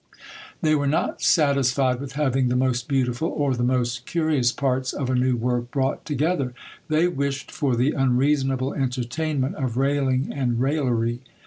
They were not satisfied with having the most beautiful, or the most curious parts of a new work brought together; they wished for the unreasonable entertainment of railing and raillery.